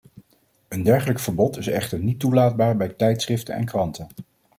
Een dergelijk verbod is echter niet toelaatbaar bij tijdschriften en kranten.